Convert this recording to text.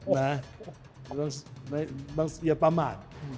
บางทีอย่าปำลาด